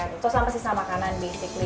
tentu saja sampah sisa makanan basically